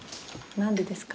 何でですか？